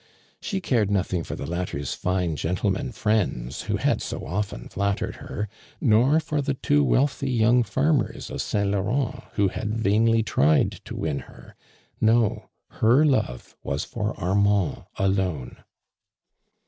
She cared nothing for the latter's fine gentlemen friepda ^ho l^ t«> often flattered her ; nor for the two wealthy young farmers of St. Laurent, who had vainly tried to win her. No ; her love was for Armand alone.